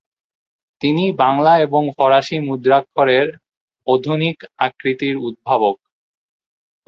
তিনি বাংলা এবং ফরাসি মুদ্রাক্ষরের অধুনিক আকৃতির উদ্ভাবক।